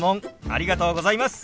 ありがとうございます。